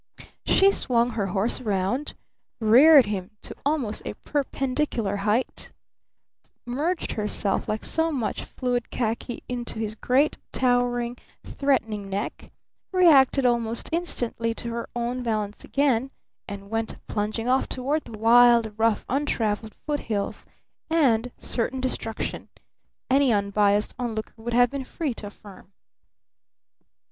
She swung her horse around, reared him to almost a perpendicular height, merged herself like so much fluid khaki into his great, towering, threatening neck, reacted almost instantly to her own balance again, and went plunging off toward the wild, rough, untraveled foot hills and certain destruction, any unbiased onlooker would have been free to affirm!